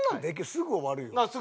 すぐ終わる。